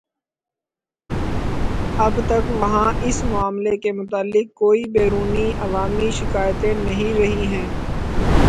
اب تک وہاں اس معاملے کے متعلق کوئی بیرونی عوامی شکایتیں نہیں رہی ہیں